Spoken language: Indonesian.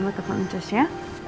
teman teman cus ya